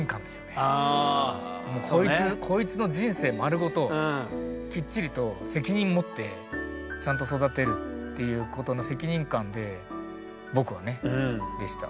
こいつこいつの人生まるごときっちりと責任持ってちゃんと育てるっていうことの責任感で僕はねでした。